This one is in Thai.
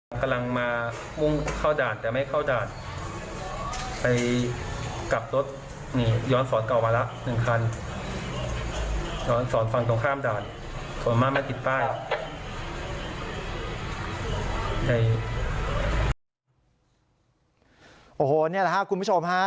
โอ้โหนี่แหละครับคุณผู้ชมฮะ